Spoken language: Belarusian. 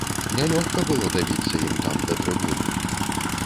Нялёгка было дабіцца ім там да трыбуны.